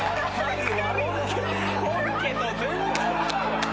本家と全然。